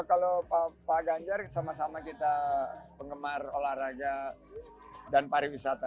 kalau pak ganjar sama sama kita penggemar olahraga dan pariwisata